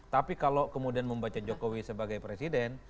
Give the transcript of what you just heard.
tapi kalau kemudian membaca jokowi sebagai presiden